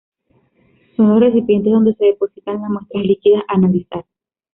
Son los recipientes donde se depositan las muestras líquidas a analizar.